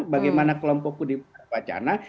bagaimana kelompokku di wacana